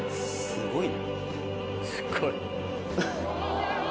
すごい。